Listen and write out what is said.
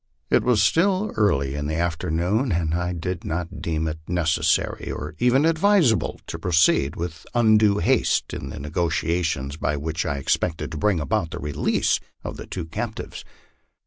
It was still early in the afternoon, and I did not deem it necessary, or even advisable, to proceed with undue haste in the negotiations by which I expect ed to bring about the release of the two captives.